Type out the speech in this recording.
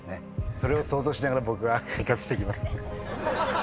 それを想像しながら僕は生活していきます。